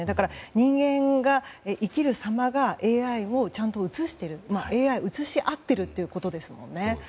人間が生きるさまがＡＩをちゃんと映しているＡＩと映し合っているということですよね。